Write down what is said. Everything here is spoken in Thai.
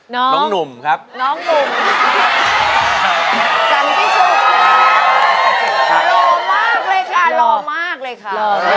น้องหนุ่มจันที่สุขค่ะหล่อมากเลยค่ะหล่อมากเลยค่ะ